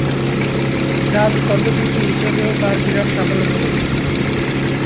জাজ কণ্ঠশিল্পী হিসাবেও তার বিরাট সাফল্য ছিল।